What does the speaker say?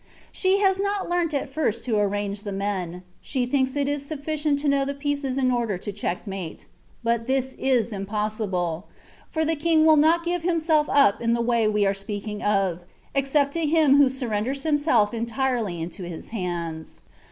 She has not learnt at first to ar range the men ; she thinks it is sufficient to know the pieces in order to " checkmate,^* but this is impossible, for the king will not give Himself up in the way we are speaking of, except to him who surrenders himself entirely into His hands.